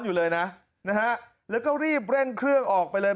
อยู่เลยนะนะฮะแล้วก็รีบเร่งเครื่องออกไปเลย